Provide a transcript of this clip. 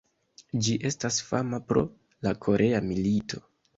Ĝi estas fama pro la korea milito.